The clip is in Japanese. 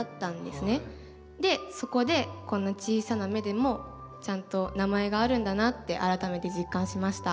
でそこでこんな小さな芽でもちゃんと名前があるんだなって改めて実感しました。